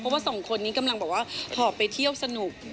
เพราะว่าสองคนนี้กำลังแบบว่าหอบไปเที่ยวสนุก